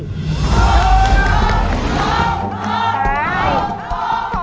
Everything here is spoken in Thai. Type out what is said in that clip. กล้อง